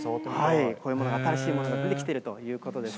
これも、新しいものが出てきているということです。